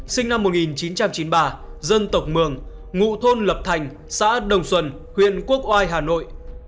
sinh năm một nghìn chín trăm chín mươi ba dân tộc mường ngụ thôn lập thành xã đồng xuân huyện quốc oai hà nội